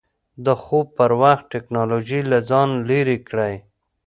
د خوب پر وخت ټېکنالوژي له ځان لرې کړه.